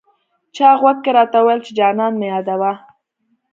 چا غوږ کي راته وويل، چي جانان مه يادوه